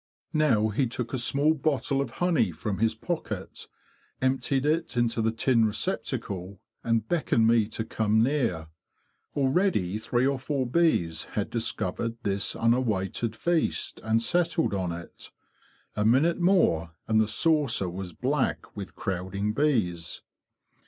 Now he took a small bottle of honey from his pocket, emptied it into the tin receptacle, and beckoned me to come near. Already three or four bees had discovered this unawaited feast and settled on it; a minute more and the saucer was black with crowding bees.